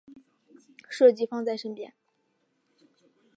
设计放在身边